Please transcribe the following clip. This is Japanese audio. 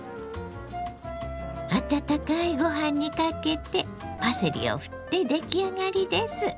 温かいご飯にかけてパセリをふって出来上がりです。